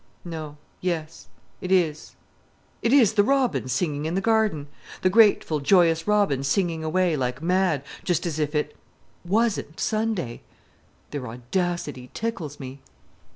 no, yes it is it is the robins singing in the garden the grateful, joyous robins singing away like mad, just as if it wasn't Sunday. Their audacity tickles me.